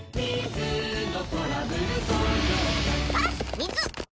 水！